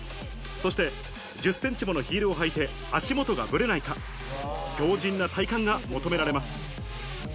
そして１０ｃｍものヒールを履いて足元がぶれないか、強靱な体幹が求められます。